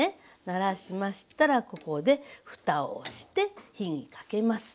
ならしましたらここでふたをして火にかけます。